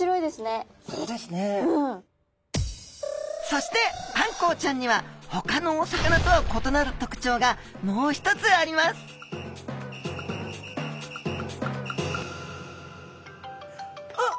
そしてあんこうちゃんにはほかのお魚とは異なる特徴がもう一つありますあっ